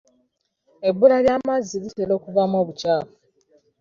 Ebbula ly'amazzi litera okuvaamu obukyafu.